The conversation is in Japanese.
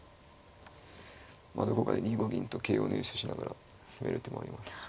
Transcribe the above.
どこかで２五銀と桂を入手しながら攻める手もありますし。